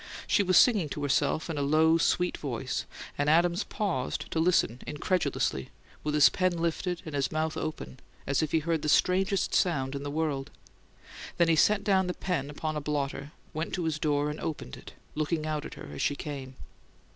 She was singing to herself in a low, sweet voice, and Adams paused to listen incredulously, with his pen lifted and his mouth open, as if he heard the strangest sound in the world. Then he set down the pen upon a blotter, went to his door, and opened it, looking out at her as she came.